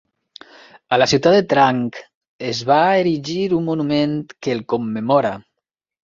A la ciutat de Trang es va erigir un monument que el commemora.